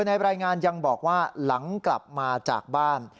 ในรายงานยังบอกว่าหลังกลับมาจากบ้าน